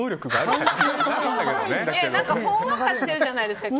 ほんわかしているじゃないですか。